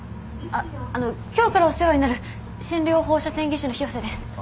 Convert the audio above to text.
あっあの今日からお世話になる診療放射線技師の広瀬です。